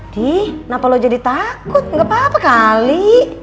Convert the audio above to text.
dih kenapa lo jadi takut gapapa kali